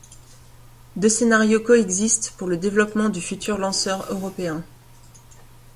Deux scénarios coexistent pour le développement du futur lanceur européen.